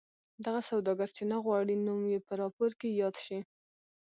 دغه سوداګر چې نه غواړي نوم یې په راپور کې یاد شي.